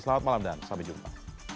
selamat malam dan sampai jumpa